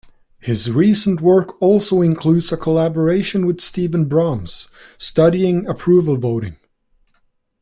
His recent work also includes a collaboration with Steven Brams studying approval voting.